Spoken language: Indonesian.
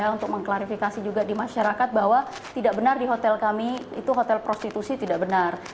untuk mengklarifikasi juga di masyarakat bahwa tidak benar di hotel kami itu hotel prostitusi tidak benar